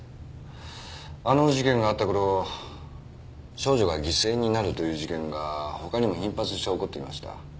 あの事件があった頃少女が犠牲になるという事件が他にも頻発して起こっていました。